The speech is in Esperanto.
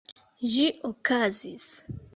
Ĝi okazis.